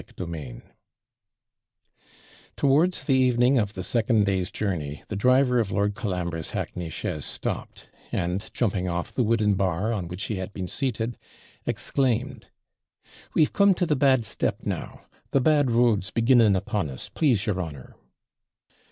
CHAPTER X Towards the evening of the second day's journey, the driver of Lord Colambre's hackney chaise stopped, and jumping off the wooden bar, on which he had been seated, exclaimed 'We're come to the bad step, now. The bad road's beginning upon us, please your honour.'